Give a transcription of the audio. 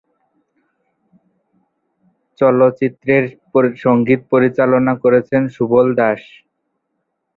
চলচ্চিত্রের সঙ্গীত পরিচালনা করেছেন সুবল দাস।